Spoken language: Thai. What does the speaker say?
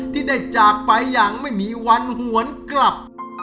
ที่ได้จากไปอย่างไม่มีวันหวนกลับ